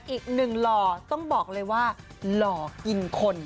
อีกหนึ่งหล่อต้องบอกเลยว่าหล่อกินคน